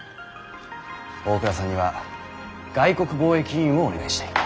大倉さんには外国貿易委員をお願いしたい。